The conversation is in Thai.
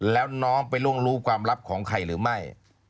แล้วน้องไปล่วงรู้ความลับของใครหรือไม่